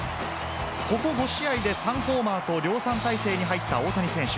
ここ５試合で３ホーマーと、量産態勢に入った大谷選手。